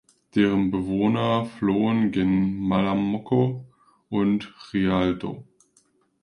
Deren Bewohner flohen „gen Malamocco und Rialto“.